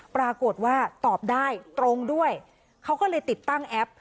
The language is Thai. ปรากฏว่าตอบได้ตรงด้วยเขาก็เลยติดตั้งแอป